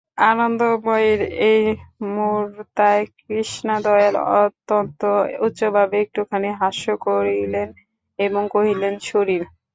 আনন্দময়ীর এই মূঢ়তায় কৃষ্ণদয়াল অত্যন্ত উচ্চভাবে একটুখানি হাস্য করিলেন এবং কহিলেন, শরীর!